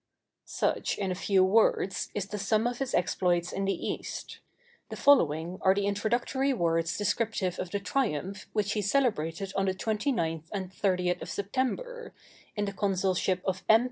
Such, in few words, is the sum of his exploits in the East. The following are the introductory words descriptive of the triumph which he celebrated on the 29th and 30th of September, in the consulship of M.